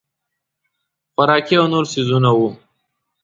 خوراکي او نور څیزونه وو.